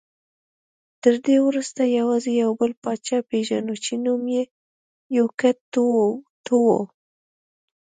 تر دې وروسته یوازې یو بل پاچا پېژنو چې نوم یې یوکیت ټو و